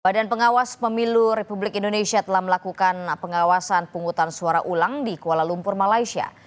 badan pengawas pemilu republik indonesia telah melakukan pengawasan penghutang suara ulang di kuala lumpur malaysia